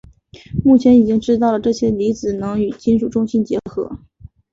目前已经知道这些离子能与金属中心结合。